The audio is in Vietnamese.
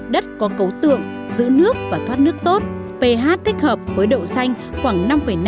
đất có cấu tượng giữ nước và thoát nước tốt ph thích hợp với đậu xanh khoảng năm năm